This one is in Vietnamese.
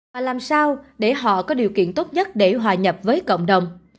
và làm sao để họ có điều kiện tốt nhất để hòa nhập với cộng đồng